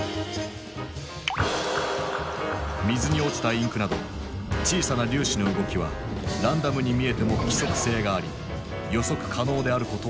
水に落ちたインクなど小さな粒子の動きはランダムに見えても規則性があり予測可能であることを証明した。